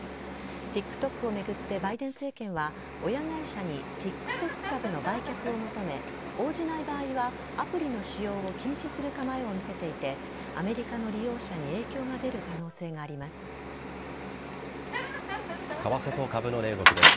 ＴｉｋＴｏｋを巡ってバイデン政権は親会社にＴｉｋＴｏｋ株の売却を求め応じない場合はアプリの使用を禁止する構えを見せていてアメリカの利用者に為替と株の値動きです。